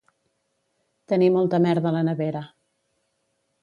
Tenir molta merda a la nevera